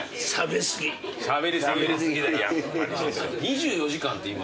２４時間って今。